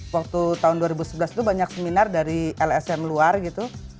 waktu tahun dua ribu sebelas itu banyak seminar dari lsm luar gitu